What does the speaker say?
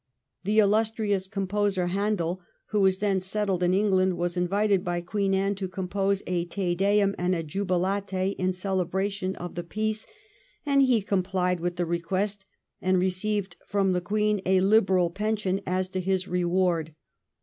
The illustrious composer Handel, who was then settled in England, was invited by Queen Anne to compose a Te Deum and a Jubilate in celebration of the peace, and he complied with the request and received from the Queen a liberal pension as his reward.